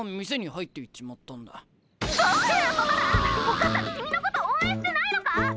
お母さん君のこと応援してないのか！？